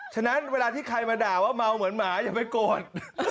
ฉะนั้นเวลาที่ใครมาด่าว่าเมาเหมือนหมาอย่าไปโกรธ